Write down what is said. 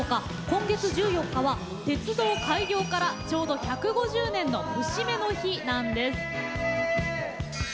今月１４日は鉄道開業からちょうど１５０年の節目の日なんです。